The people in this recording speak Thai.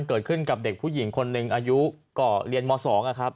เกิดขึ้นกับเด็กผู้หญิงคนอายุก่อเหลียนโมสอง